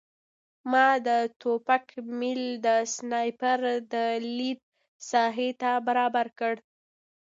ما د ټوپک میل د سنایپر د لید ساحې ته برابر کړ